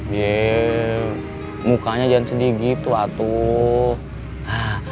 yeee mukanya jangan sedih gitu atuh